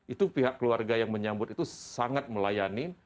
itu pihak keluarga yang menyambut itu sangat melayani